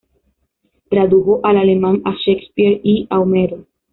Tradujo al alemán a Shakespeare y a Homero.